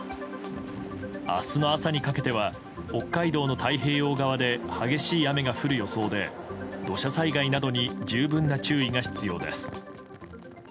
明日の朝にかけては北海道の太平洋側で激しい雨が降る予想で土砂災害などに十分な注意が必要です。